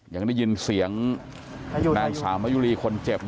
อย่างได้ยินเสียงนางศพมายุรีคนเจ็บ